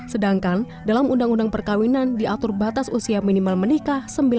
sedangkan dalam undang undang perkawinan diatur batas usia minimal menikah